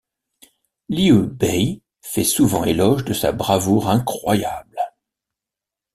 Liu Bei fait souvent éloge de sa bravoure incroyable.